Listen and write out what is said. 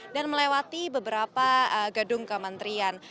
dan melewati beberapa gedung kementerian